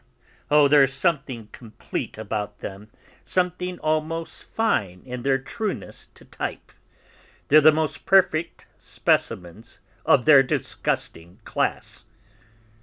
Oh, there's something complete about them, something almost fine in their trueness to type; they're the most perfect specimens of their disgusting class!